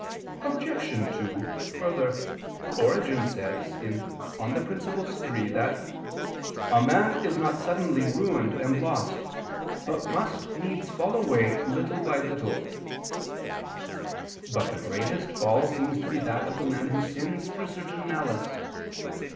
Obj. 2: Further, Origen says (Peri Archon iii) that "a man is not suddenly ruined and lost, but must needs fall away little by little." But the greatest fall seems to be that of the man who sins through certain malice.